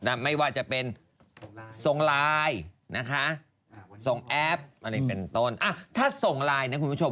ไม่ว่าจะเป็นส่งไลน์นะคะส่งแอปอะไรเป็นต้นอ่ะถ้าส่งไลน์นะคุณผู้ชม